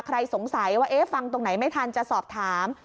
ใครสงสัยว่าเอ๊ะฟังตรงไหนไม่ทันจะสอบถาม